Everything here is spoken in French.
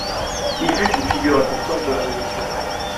Il fut une figure importante de la Résistance.